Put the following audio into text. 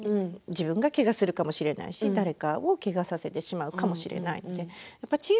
自分がけがをするかもしれないし誰かを、けがさせてしまうかもしれない。